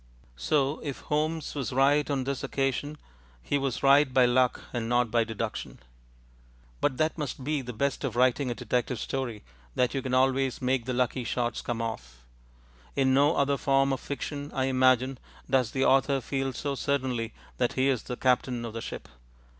So if Holmes was right on this occasion, he was right by luck and not by deduction. But that must be the best of writing a detective story, that you can always make the lucky shots come off. In no other form of fiction, I imagine, does the author feel so certainly that he is the captain of the ship.